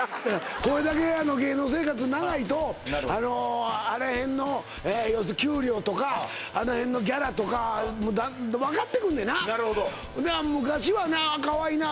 これだけ芸能生活長いとあれへんの要するに給料とかあのへんのギャラとかわかってくんねなで昔はな「かわいいな」